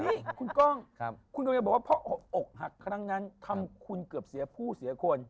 นี่คุณก้องคุณเหรอบะพออกหักครั้งนั้นทำคุณเกือบเสียผู้เหลือคน